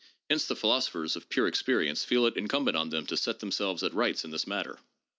Hence the philosophers of pure experience feel it incumbent on them to set themselves at rights in this matter.